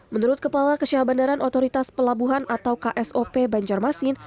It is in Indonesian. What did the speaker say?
menurut kepala kesehatan bandaran otoritas pelabuhan atau ksop banjarmasin